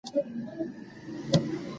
هلک له انا څخه بښنه وغوښته.